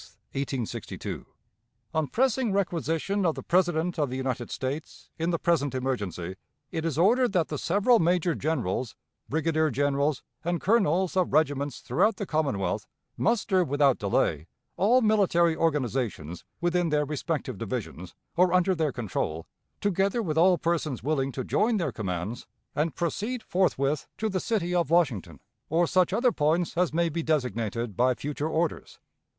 _ "On pressing requisition of the President of the United States in the present emergency, it is ordered that the several major generals, brigadier generals, and colonels of regiments throughout the Commonwealth muster without delay all military organizations within their respective divisions or under their control, together with all persons willing to join their commands, and proceed forthwith to the city of Washington, or such other points as may be designated by future orders.